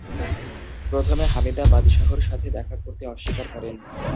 প্রথমে হামিদা বাদশাহর সাথে দেখা করতে অস্বীকার করেন।